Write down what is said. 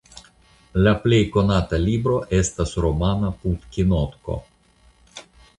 Lia plej konata libro estas romano "Putkinotko".